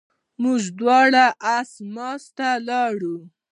موږ دواړه اسماس ته ولاړو.